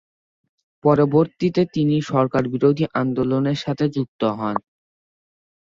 পরবর্তীতে তিনি সরকারবিরোধী আন্দোলনের সাথে যুক্ত হন।